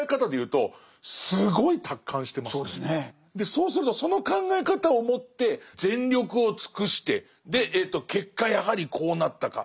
そうするとその考え方をもって全力を尽くしてで結果やはりこうなったか。